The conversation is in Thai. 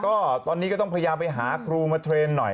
ก็ตอนนี้ก็ต้องพยายามไปหาครูมาเทรนด์หน่อย